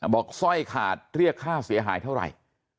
บอกสร้อยขาดเลี่ยงฮาเสียหายเท่าไร